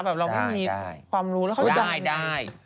แบบเรามันมีความรู้แล้วเขาจะทำยังไงได้